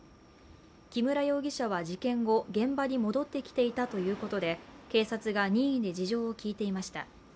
木村容疑者は事件後、現場に戻ってきていたということで警察が任意で事情を聴いていました。